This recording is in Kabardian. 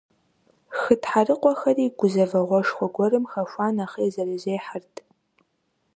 Хы тхьэрыкъуэхэри, гузэвэгъуэшхуэ гуэрым хэхуа нэхъей, зэрызехьэрт.